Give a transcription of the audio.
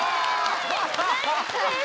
ナイスです